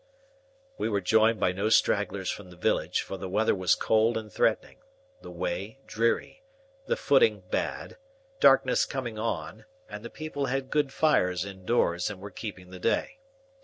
We were joined by no stragglers from the village, for the weather was cold and threatening, the way dreary, the footing bad, darkness coming on, and the people had good fires in doors and were keeping the day.